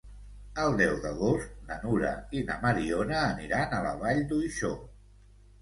El deu d'agost na Nura i na Mariona aniran a la Vall d'Uixó.